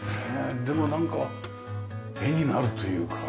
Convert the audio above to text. でもなんか絵になるというか。